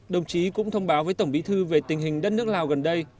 đồng chí cũng thông báo với tổng bí thư về tình hình đất nước lào gần đây